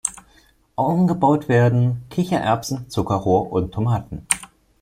Angebaut werden Kichererbsen, Zuckerrohr und Tomaten.